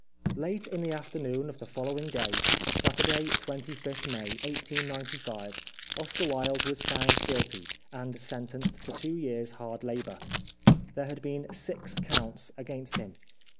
Late in the afternoon of the following day, Saturday, 25th May 1895, Oscar Wilde was found guilty and sentenced to two years hard labour. There had been six counts against him.